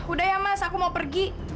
udah ya mas aku mau pergi